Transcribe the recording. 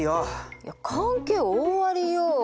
いや関係大ありよ。